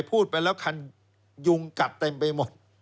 พูดไปแล้วคันยุงกัดเต็มไปหมด